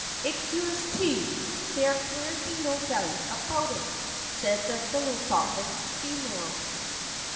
It cures, too; There can be no doubt about it! " Said the philosophic female.